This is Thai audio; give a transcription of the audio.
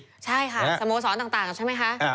ใช่ค่ะสโมสรต่างใช่ไหมคะ